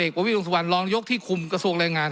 ท่านพลเอกปวโภฯวิทยวงศาวร์รองยกที่ขุมกระทรวงแรงงาน